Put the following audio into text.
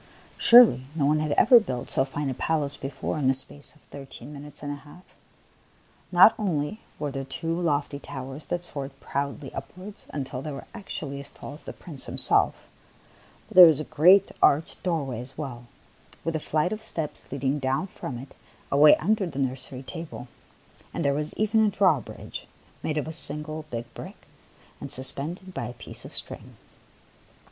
Surely, no one had ever built so fine a palace before in the space of thirteen minutes and a half! Not only were there two lofty towers that soared proudly upwards until they were actually as tall as the Prince himself, but there was a great arched doorway as well, with a flight of steps leading down from it away un der the nursery table; and there was even a drawbridge, made of a single big brick and suspended by a piece of string.